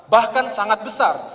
bahkan sangat besar